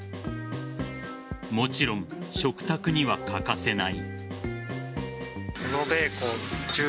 もちろん、食卓には欠かせない。